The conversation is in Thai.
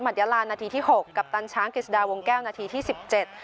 ยาลานาทีที่หกกัปตันช้างกฤษฎาวงแก้วนาทีที่สิบเจ็ด